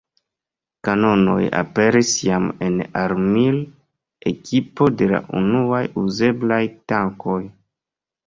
Kanonoj aperis jam en la armil-ekipo de la unuaj uzeblaj tankoj.